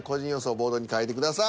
ボードに書いてください。